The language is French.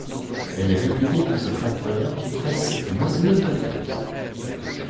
Elle est réputée pour ses tracteurs, presses et moissonneuses-batteuses.